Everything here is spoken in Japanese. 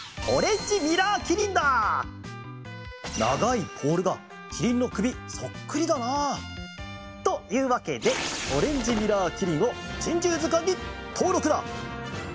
ながいポールがキリンのくびそっくりだな。というわけでオレンジミラーキリンを「珍獣図鑑」にとうろくだ！